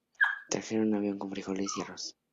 Trajeron un avión con frijoles y arroz.